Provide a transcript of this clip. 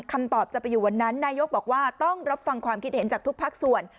คำตอบจะไปอยู่วันนั้นนายกบอกว่าต้องรับฟังความคิดเห็นจากทุกภาคส่วน